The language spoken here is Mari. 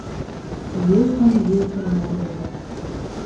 Йӧсын-йӧсын мурыжо.